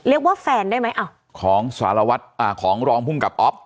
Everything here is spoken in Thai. เรียกว่าแฟนได้ไหมอ้าวของสารวัตรอ่าของรองพุ่งกับอ๊อบ